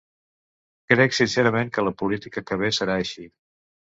Crec sincerament que la política que ve serà així.